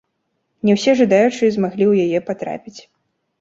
Не ўсе жадаючыя змаглі ў яе патрапіць.